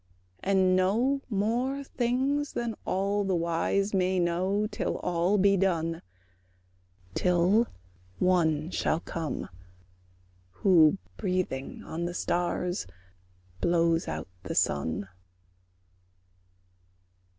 And know more things than all the wise may know Till all be done; Till One shall come who, breathing on the stars, Blows out the sun.